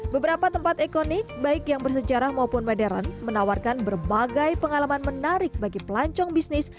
beberapa tempat ikonik baik yang bersejarah maupun modern menawarkan berbagai pengalaman menarik bagi pelancong bisnis